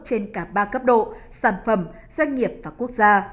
trên cả ba cấp độ sản phẩm doanh nghiệp và quốc gia